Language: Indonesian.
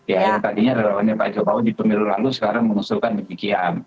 ya yang tadinya relawannya pak jokowi di pemilu lalu sekarang mengusulkan demikian